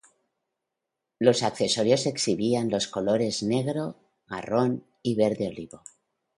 Los accesorios exhibían los colores negro, marrón y verde olivo.